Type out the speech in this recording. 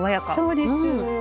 そうです。